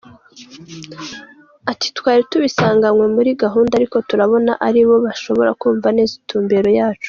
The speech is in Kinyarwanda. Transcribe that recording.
Ati “Twari tubisanganywe muri gahunda, ariko turabona ari bo bashobora kumva neza intumbero yacu.